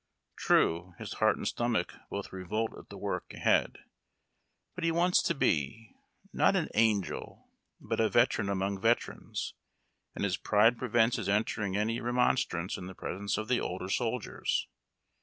True, his heart and stomach both revolt at the work ahead, but lie wants to be — not an angel — but a veteran among veterans, and his pride prevents his entering any re monstrance in the presence of the older soldiers.